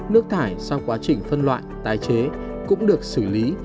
nước thải sau quá trình phân loại tái chế cũng được xử lý